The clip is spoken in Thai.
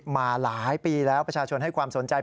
มาหลายปีแล้วประชาชนให้ความสนใจ